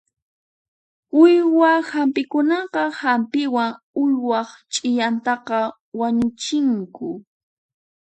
Uywa hampiqkunaqa hampiwan uywaq ch'iyantaqa wañuchinku.